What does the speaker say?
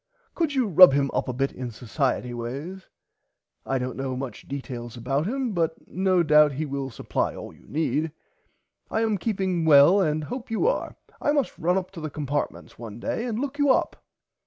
Could you rub him up a bit in Socierty ways. I dont know much details about him but no doubt he will supply all you need. I am keeping well and hope you are. I must run up to the Compartments one day and look you up.